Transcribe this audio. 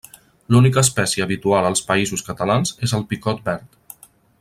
L'única espècie habitual als Països Catalans és el picot verd.